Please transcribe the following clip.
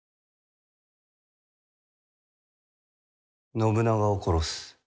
信長を殺す。